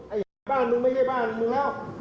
ไอ้บ้านมึงไม่ใช่บ้านมึงแล้ว